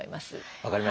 分かりました。